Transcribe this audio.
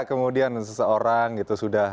kemudian seseorang sudah